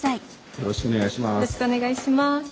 よろしくお願いします。